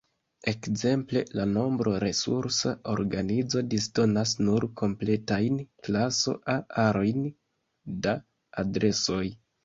Ekzemple, la Nombro-Resursa Organizo disdonas nur kompletajn klaso-A-arojn da adresoj.